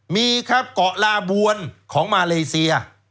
มีครับเกาะลาบวนของมาเลเซีย